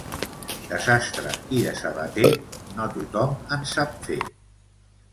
De sastre i de sabater, no tothom en sap fer.